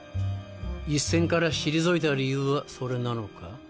一線から退いた理由はそれなのか？